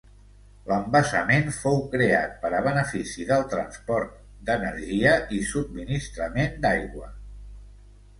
L'embassament fou creat per a benefici del transport, d'energia i subministrament d'aigua.